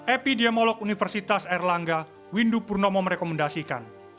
epidemiolog universitas erlangga windu purnomo merekomendasikan